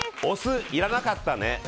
お酢いらなかったね。